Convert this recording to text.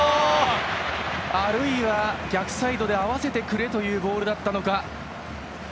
あるいは逆サイドで合わせてくれというボールだったか。